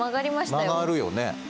曲がるよね。